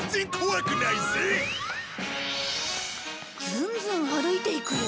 ずんずん歩いていくよ。